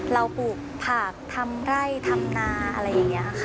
ปลูกผักทำไร่ทำนาอะไรอย่างนี้ค่ะ